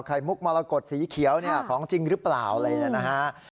ไข่มุกมรกฏสีเขียวของจริงหรือเปล่าเลยนะฮะ